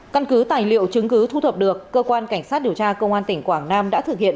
căn cứ tài liệu chứng cứ thu thập được cơ quan cảnh sát điều tra công an tỉnh quảng nam đã thực hiện